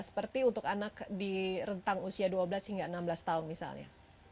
seperti untuk anak di rentang usia dua belas hingga enam belas tahun misalnya